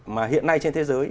mà hiện nay trên thế giới